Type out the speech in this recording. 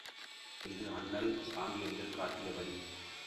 இது அண்ணல் காந்தியடிகள் காட்டிய வழி!